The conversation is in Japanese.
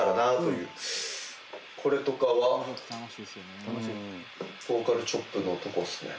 これとかはボーカルチョップのとこっすね。